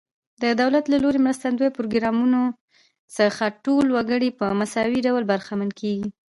د دولت له لوري مرستندویه پروګرامونو څخه ټول وګړي په مساوي ډول برخمن کیږي.